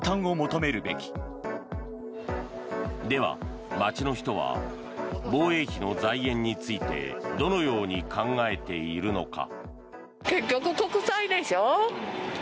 では、街の人は防衛費の財源についてどのように考えているのか。